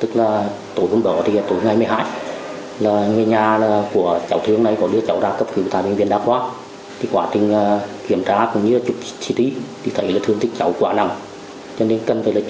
tức là tối hôm bữa thì tối ngày một mươi hai